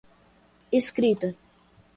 escrita